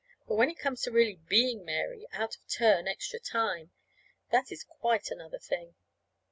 But when it comes to really being Mary out of turn extra time, that is quite another thing.